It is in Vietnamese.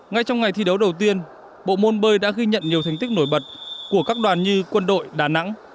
ngay trong ngày thi đấu đầu tiên bộ môn bơi đã ghi nhận nhiều thành tích nổi bật của các đoàn như quân đội đà nẵng